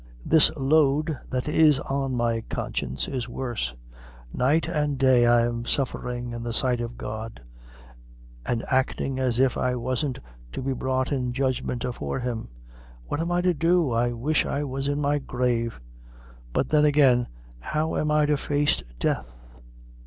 This load that is on my conscience is worse. Night and day I'm sufferin' in the sight of God, an' actin' as if I wasn't to be brought in judgment afore him. What am I to do? I wish I was in my grave! But then, agin', how am I to face death?